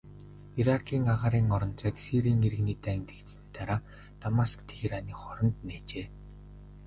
Иракийн агаарын орон зайг Сирийн иргэний дайн дэгдсэний дараа Дамаск-Тегераны хооронд нээжээ.